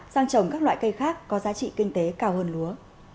sang trồng các loại cây khác có giá trị kinh tế cao hơn lúa